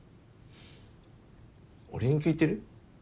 俺に聞いてる？